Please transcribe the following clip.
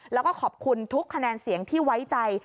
แล้วก็ขอบคุณทุกคะแนนเสียงที่ไว้ใจ